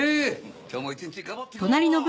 今日も一日頑張っていこう！